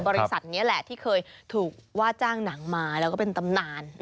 บริษัทนี้แหละที่เคยถูกว่าจ้างหนังมาแล้วก็เป็นตำนาน